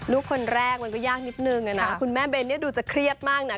ลูกคนแรกมันก็ยากนิดนึงนะคุณแม่เบนเนี่ยดูจะเครียดมากนะ